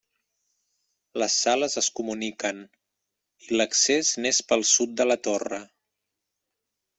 Les sales es comuniquen, i l'accés n'és pel sud de la torre.